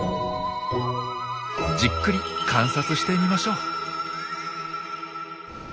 じっくり観察してみましょう。